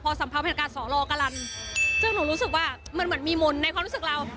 สัมผัสบรรยากาศสอรอกะลันซึ่งหนูรู้สึกว่ามันเหมือนมีมนต์ในความรู้สึกเรา